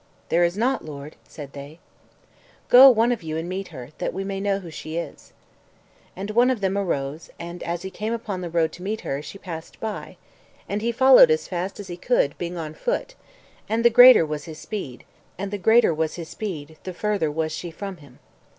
"There is not, lord," said they. "Go one of you and meet her, that we may know who she is." And one of them arose, and as he came upon the road to meet her, she passed by; and he followed as fast as he could, being on foot, and the greater was his speed, the further was she from him.